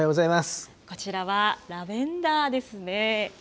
こちらはラベンダーですね。